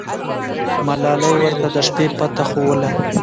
ملالۍ ورته د شپې پته ښووله.